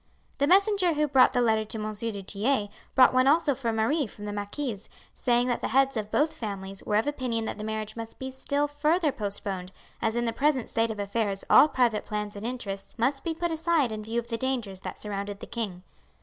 The messenger who brought the letter to M. du Tillet brought one also for Marie from the marquise, saying that the heads of both families were of opinion that the marriage must be still further postponed, as in the present state of affairs all private plans and interests must be put aside in view of the dangers that surrounded the king.